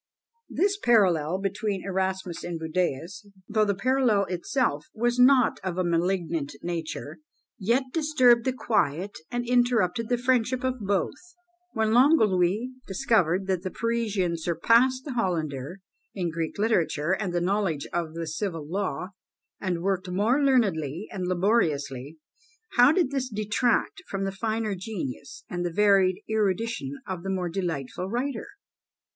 This parallel between Erasmus and Budæus, though the parallel itself was not of a malignant nature, yet disturbed the quiet, and interrupted the friendship of both. When Longolius discovered that the Parisian surpassed the Hollander in Greek literature and the knowledge of the civil law, and worked more learnedly and laboriously, how did this detract from the finer genius and the varied erudition of the more delightful writer?